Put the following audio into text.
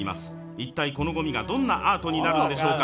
一体このごみが、どんなアートになるんでしょうか。